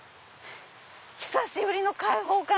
久しぶりの解放感！